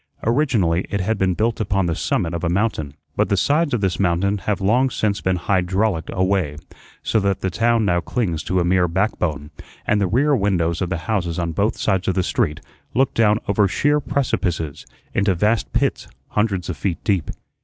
Originally it had been built upon the summit of a mountain, but the sides of this mountain have long since been "hydrau licked" away, so that the town now clings to a mere back bone, and the rear windows of the houses on both sides of the street look down over sheer precipices, into vast pits hundreds of feet deep.